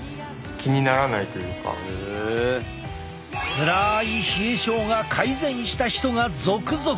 つらい冷え症が改善した人が続々！